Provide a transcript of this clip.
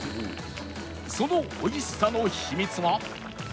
その美味しさの秘密は